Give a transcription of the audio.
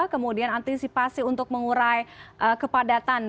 kemudian antisipasi untuk mengurai kepadatan